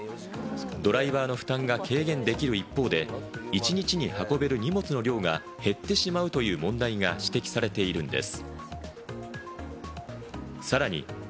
ドライバーの負担が軽減できる一方で、一日に運べる荷物の量が減ってしまうという問題が指摘されているんです。